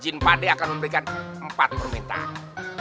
jin pade akan memberikan empat permintaan